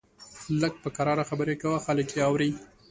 لږ په کرار خبرې کوه، خلک يې اوري!